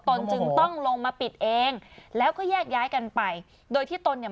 ตนจึงต้องลงมาปิดเองแล้วก็แยกย้ายกันไปโดยที่ตนเนี่ย